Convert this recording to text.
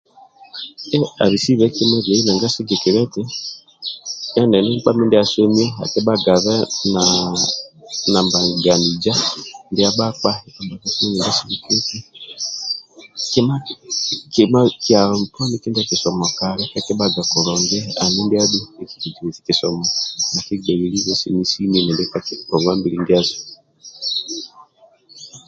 Eh abisibe kima biyai nanga sigikilia eti endindi nkpa mindia asomi akibhagabe naaa na mbaganija ndia bhakpa kima kima kyalo poni kindia kisomo kali kakibhaga kulungi kandi ndia adhu kisomo nakigbeililibe sini-sini endindi ka ngonguwa mbili ndiasu.